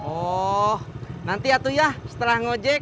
oh nanti ya setelah ngojek